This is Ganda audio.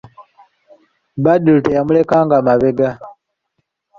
Badru teyamulekanga mabega.